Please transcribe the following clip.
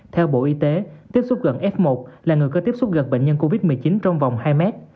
theo bộ y tế tiếp xúc gần f một là người có tiếp xúc gần bệnh nhân covid một mươi chín trong vòng hai mét